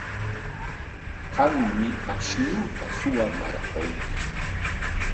Qammi ashnuuta suwamarqunki.